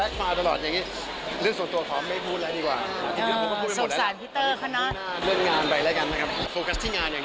แล้วตอนนี้มีเรื่องอะไรข้างข้างใจอยากเคลียร์อยากอะไรยังไงครับ